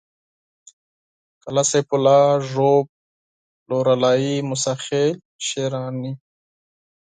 قلعه سيف الله ژوب لورلايي موسی خېل شېراني